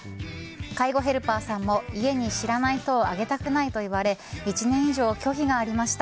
介護ヘルパーさんも家に知らない人を上げたくないといわれ１年以上、拒否がありました。